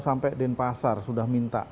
sampai denpasar sudah minta